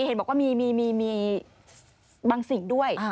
เห็นบอกว่ามีบางสิ่งด้วย